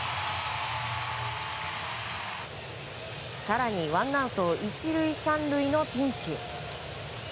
更にワンアウト１、３塁のピンチ。